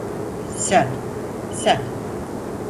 Sen… sen…